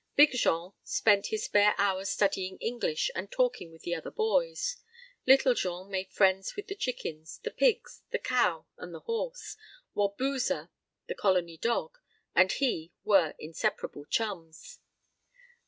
Big Jean spent his spare hours studying English and talking with the other boys. Little Jean made friends with the chickens, the pigs, the cow and the horse, while Boozer the Colony dog and he were inseparable chums.